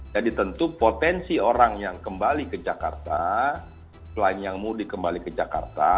jadi tentu potensi orang yang kembali ke jakarta selain yang mudik kembali ke jakarta